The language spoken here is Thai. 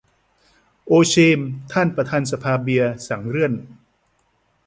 โอเชม ท่านประธานสภาเบียร์สั่งเลื่อน